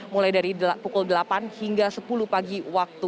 mulai dari pukul delapan hingga sepuluh pagi waktu